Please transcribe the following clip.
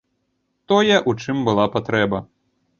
Тое, у чым была патрэба.